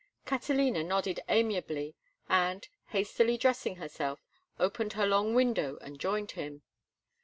Catalina nodded amiably, and, hastily dressing herself, opened her long window and joined him.